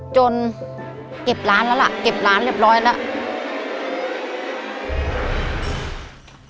เก็บร้านแล้วล่ะเก็บร้านเรียบร้อยแล้ว